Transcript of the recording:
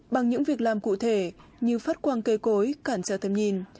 bằng những việc làm cụ thể như phát quang cây cối cản trào thêm nhìn